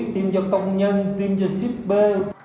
tiêm cho công nhân tiêm cho shipper